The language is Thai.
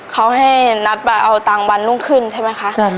เขาให้นัดไปเอาตังค์บันลุ่มขึ้นใช่มั้ยคะ